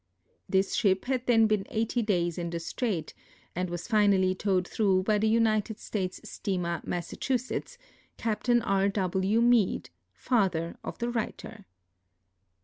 This ship had then been 80 days in the strait, and was finally towed through by the United States steamer M(iss(ichi( sells, Captain R. W. Meade, father of tlie writer.